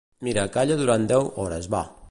Mira, calla durant deu hores, va.